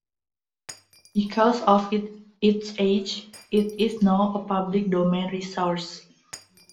Because of its age, it is now a public domain resource.